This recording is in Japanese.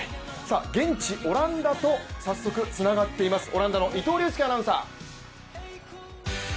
現地オランダと早速つながっております、オランダの伊藤隆佑アナウンサー。